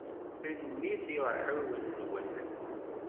Tanemmirt i uɛiwen-nwen.